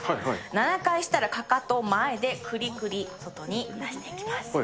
７回したら、かかと前でくりくり、外に出していきます。